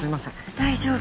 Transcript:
大丈夫。